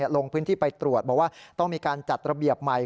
ลงพื้นที่ไปตรวจบอกว่าต้องมีการจัดระเบียบใหม่